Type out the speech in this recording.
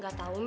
gak tau lupa